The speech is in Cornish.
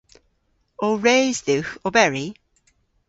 O res dhywgh oberi?